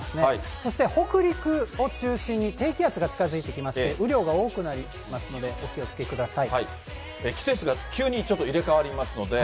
そして、北陸を中心に低気圧が近づいてきまして、雨量が多くなりますので、お気をつけください。